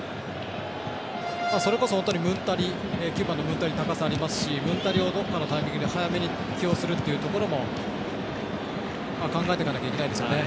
それこそ本当に９番のムンタリ高さありますし、ムンタリをどこかのタイミングで早めに起用するというところも考えていかなきゃいけないですよね。